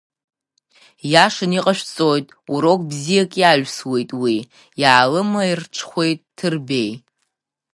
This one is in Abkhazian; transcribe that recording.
Ииашаны иҟашәҵоит, урок бзиак иаҩсуеит уи, иаалымаирҽхәеит Ҭырбеи.